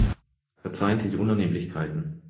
Verzeihen Sie die Unannehmlichkeiten.